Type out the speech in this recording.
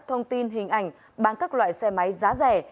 thông tin hình ảnh bán các loại xe máy giá rẻ